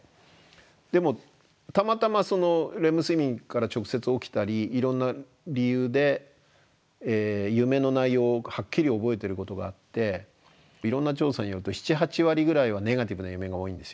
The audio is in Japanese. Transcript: でもたまたまレム睡眠から直接起きたりいろんな理由で夢の内容をはっきり覚えてることがあっていろんな調査によると７８割ぐらいはネガティブな夢が多いんですよね。